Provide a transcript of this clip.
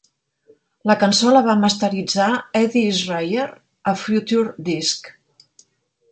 La cançó la va masteritzar Eddy Schreyer a Future Disc.